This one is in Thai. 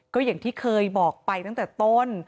ก็อย่างที่เคยบอกไปตั้งแต่ต้น